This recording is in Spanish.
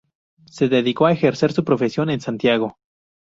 Se dedicó a ejercer su profesión en Santiago.